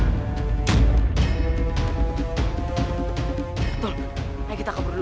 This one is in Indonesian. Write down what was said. betul ayo kita kabur dulu